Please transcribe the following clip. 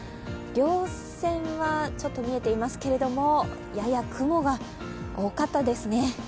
稜線はちょっと見えていますけれども、やや雲が多かったですね。